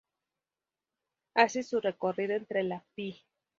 Hace su recorrido entre la Pl.